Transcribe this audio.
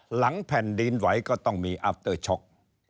หลังแผ่นดินไหวก็ต้องมีอัพเตอร์ช็อก